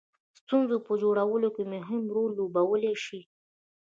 ستونزو په جوړولو کې مهم رول لوبولای شي.